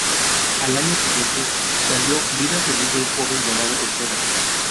Al año siguiente salió "Vida feliz de un joven llamado Esteban".